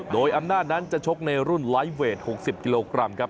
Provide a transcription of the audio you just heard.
โดยอำนาจนั้นจะชกในรุ่นไลฟ์เวท๖๐กิโลกรัมครับ